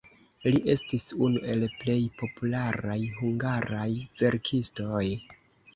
Li estis unu el plej popularaj hungaraj verkistoj.